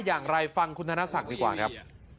อย่างไรฟังคุณธนศักดิ์ดีกว่าครับ